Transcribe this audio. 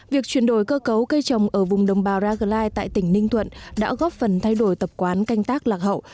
việc chuyển đổi cơ cấu cây trồng ở vùng đồng bào raglai tại tỉnh ninh thuận đã góp phần thay đổi tập quán canh tác lạc hậu